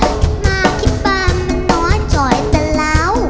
อันนี้มาคริปตามมันน้๊อยจอยแต่เหล้า